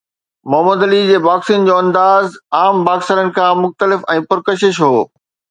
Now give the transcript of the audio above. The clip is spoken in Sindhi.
محمد علي جي باڪسنگ جو انداز عام باڪسرز کان مختلف ۽ پرڪشش هو.